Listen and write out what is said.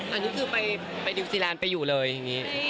อันนี้คือไปนิวซีแลนด์ไปอยู่เลยอย่างนี้